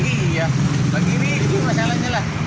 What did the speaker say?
iya bagi diri masalahnya lah